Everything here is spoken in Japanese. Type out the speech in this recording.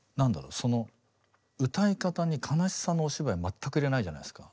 その歌い方に悲しさのお芝居全く入れないじゃないですか。